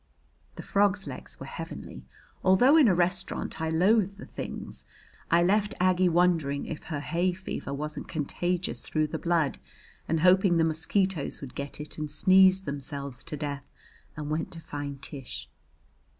The frogs' legs were heavenly, although in a restaurant I loathe the things. I left Aggie wondering if her hay fever wasn't contagious through the blood and hoping the mosquitoes would get it and sneeze themselves to death, and went to find Tish.